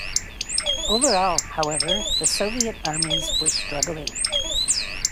Overall, however, the Soviet armies were struggling.